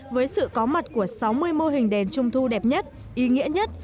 với sự có mặt của sáu mươi mô hình đèn trung thu đẹp nhất ý nghĩa nhất